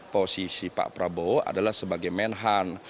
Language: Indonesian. posisi pak prabowo adalah sebagai menhan